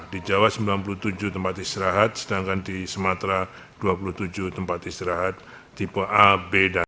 di jawa sembilan puluh tujuh tempat istirahat sedangkan di sumatera dua puluh tujuh tempat istirahat tipe a b dan c